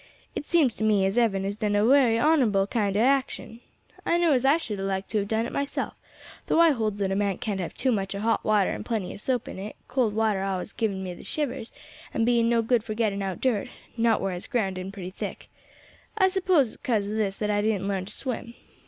It seems to me as Evan has done a wery honourable kind o' action. I know as I should have liked to have done it myself, though I holds that a man can't have too much of hot water and plenty of soap in it, cold water allus giving me the shivers, and being no good for getting out dirt not where its ground in pretty thick. I suppose it's cos of this that I didn't larn to swim.